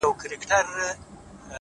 ستا لېونۍ خندا او زما له عشقه ډکه ژړا”